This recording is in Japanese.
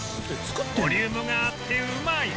ボリュームがあってうまい！